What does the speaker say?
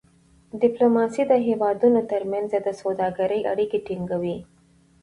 ډيپلوماسي د هېوادونو ترمنځ د سوداګری اړیکې ټینګوي.